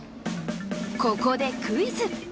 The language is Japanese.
ここでクイズ。